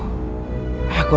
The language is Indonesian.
aku tidak tahu